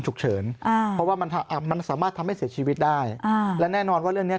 อุบัติเหตุเชื้อเอง